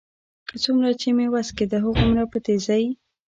څومره چې مې وس کېده، هغومره په تېزۍ.